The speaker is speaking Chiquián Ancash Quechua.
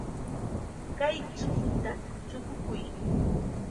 Kay chukuta chukukuy.